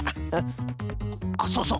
あっそうそう。